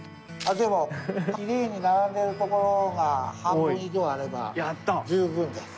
でもきれいに並んでるところが半分以上あれば十分です。